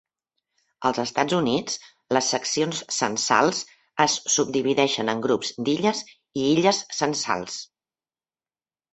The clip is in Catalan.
Als Estats Units, les seccions censals es subdivideixen en grups d'illes i illes censals.